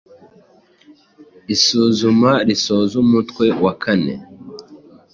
Isuzuma risoza umutwe wa kane